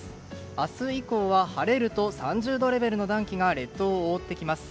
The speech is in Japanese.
明日以降は晴れると３０度レベルの暖気が列島を覆ってきます。